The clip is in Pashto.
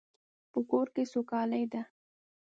په کور کې سوکالی ده